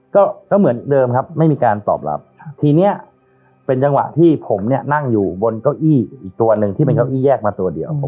ก็เหมือนเดิมครับไม่มีการตอบรับทีเนี้ยเป็นจังหวะที่ผมเนี่ยนั่งอยู่บนเก้าอี้อีกตัวหนึ่งที่เป็นเก้าอี้แยกมาตัวเดียว